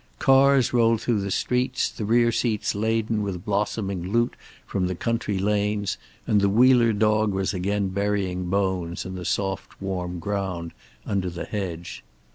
Cars rolled through the streets, the rear seats laden with blossoming loot from the country lanes, and the Wheeler dog was again burying bones in the soft warm ground under the hedge.